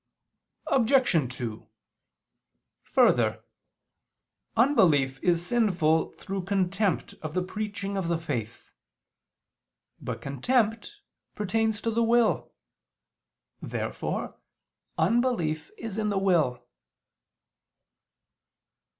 Obj. 2: Further, unbelief is sinful through contempt of the preaching of the faith. But contempt pertains to the will. Therefore unbelief is in the will.